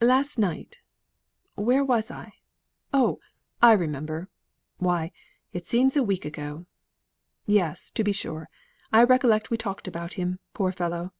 "Last night. Where was I? Oh, I remember! Why, it seems a week ago. Yes, to be sure, I recollect we talked about him, poor fellow."